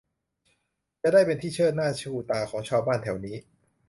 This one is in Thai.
จะได้เป็นที่เชิดหน้าชูตาของชาวบ้านแถวนี้